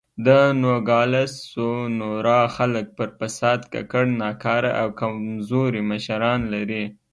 د نوګالس سونورا خلک پر فساد ککړ، ناکاره او کمزوري مشران لري.